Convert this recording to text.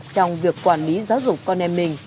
trong việc quản lý giáo dục con em mình